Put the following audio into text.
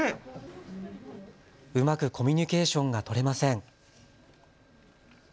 うまくコミュニケーションが取れません。